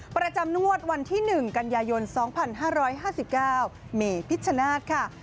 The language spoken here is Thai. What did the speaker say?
ประจำนวดวันที่๑กันยายน๒๕๕๙เมพิชชนาธิ์ค่ะ